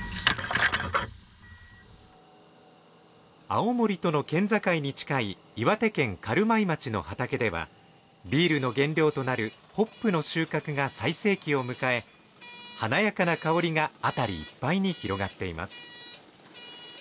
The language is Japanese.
青森との県境に近い岩手県軽米町の畑ではビールの原料となるホップの収穫が最盛期を迎え華やかな香りが辺りいっぱいに広がっています